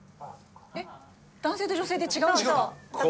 えっ男性と女性で違うんですか？